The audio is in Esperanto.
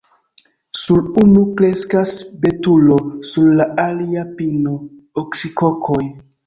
Sur unu kreskas betulo, sur la alia – pino, oksikokoj.